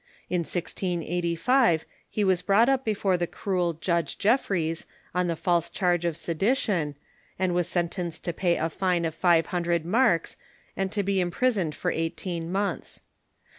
In 1685 he was brought up before the cruel Judge Jeffreys on the false charge of sedition, and he was sentencod to pay a fine of five hundred marks and to be imprisoned for eighteen months.